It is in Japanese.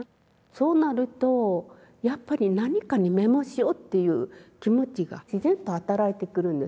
そうなるとやっぱり何かにメモしようっていう気持ちが自然と働いてくるんです。